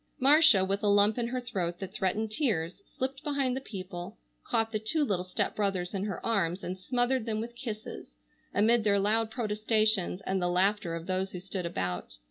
Marcia, with a lump in her throat that threatened tears, slipped behind the people, caught the two little step brothers in her arms and smothered them with kisses, amid their loud protestations and the laughter of those who stood about.